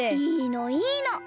いいのいいの。